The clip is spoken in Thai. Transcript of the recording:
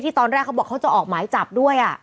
ตอนแรกเขาบอกเขาจะออกหมายจับด้วย